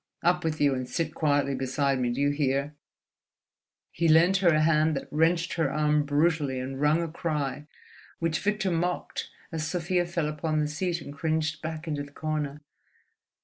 Up with you and sit quietly beside me—do you hear?" He lent her a hand that wrenched her arm brutally and wrung a cry which Victor mocked as Sofia fell upon the seat and cringed back into the corner.